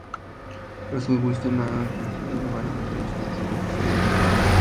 Prescod-Weinstein ha concedido varias entrevistas y ofrecido diversas charlas.